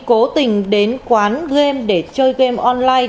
cố tình đến quán game để chơi game online